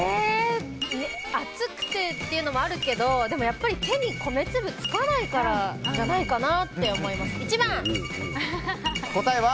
熱くてっていうのもあるけどでも、やっぱり手に米粒がつかないからじゃないかなって思います。